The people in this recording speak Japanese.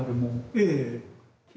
ええ。